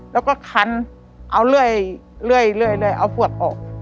แล้วก็คันเอาเรื่อยเอาเผือกออก